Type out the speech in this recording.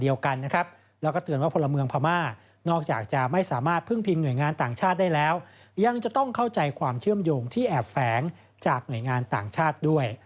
ยังจะต้องเข้าใจความเชื่อมโยงที่แอบแฝงจากหน่วยงานต่างชาติด้วย